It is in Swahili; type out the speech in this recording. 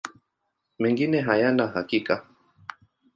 Mengine hayana hakika.